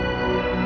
terima kasih ya